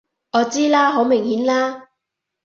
我知啦！好明顯啦！